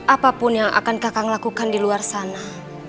apapun yang akan kakak lakukan di luar sana